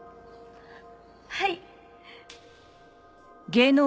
はい。